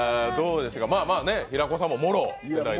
平子さんも、もろ世代で？